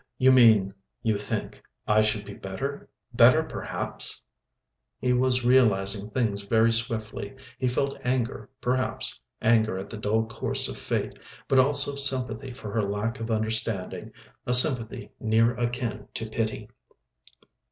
"You mean—you think—I should be better, better perhaps—" He was realising things very swiftly. He felt anger perhaps, anger at the dull course of fate, but also sympathy for her lack of understanding—a sympathy near akin to pity.